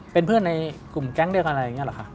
เป็นเพื่อนในกลุ่มแก๊งเดียวกันอะไรอย่างนี้หรอคะ